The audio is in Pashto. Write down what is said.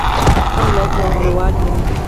هر ولایت یو والی لري